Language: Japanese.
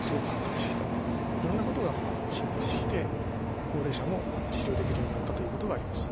いろんなことが進歩してきて高齢者も治療できるようになったということがあります。